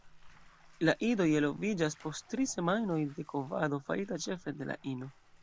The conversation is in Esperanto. La idoj eloviĝas post tri semajnoj de kovado farita ĉefe de la ino.